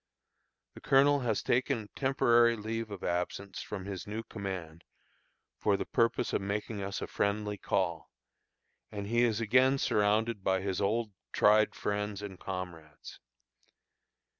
The colonel has taken a temporary leave of absence from his new command for the purpose of making us a friendly call; and he is again surrounded by his old tried friends and comrades.